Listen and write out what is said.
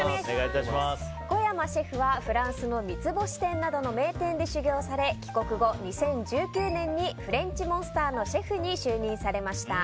小山シェフはフランスの三つ星店などの名店で修業され帰国後、２０１９年にフレンチモンスターのシェフに就任されました。